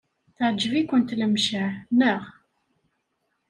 Teɛjeb-ikent Lemceɛ, naɣ?